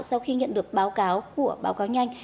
sau khi nhận được báo cáo của báo cáo nhanh